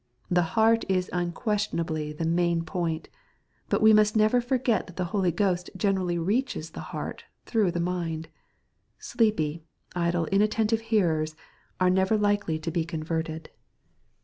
— The heart is unquestionably the main point. But we must never forget that the Holy Ghost generally reaches the heart through the mind. — Sleepy, idle, inattentive hearers, are never likely to be con* verted.